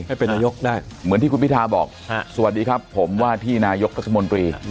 ให้เป็นนายกได้เหมือนที่คุณพิทาบอกสวัสดีครับผมว่าที่นายกรัฐมนตรี